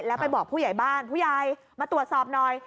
แล้วไปบอกผู้ใหญ่บ้านผู้ใหญ่มาตรวจสอบหน่อย